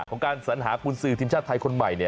ของการสัญหาภูมิสือทีมชาติไทยคนใหม่เนี่ย